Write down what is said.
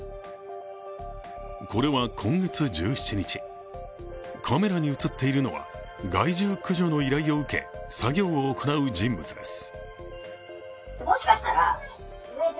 これは今月１７日、カメラに映っているのは害獣駆除の依頼を受け作業を行う人物です。